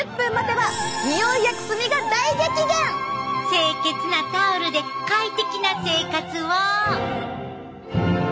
清潔なタオルで快適な生活を！